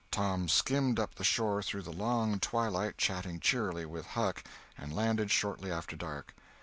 Tom skimmed up the shore through the long twilight, chatting cheerily with Huck, and landed shortly after dark.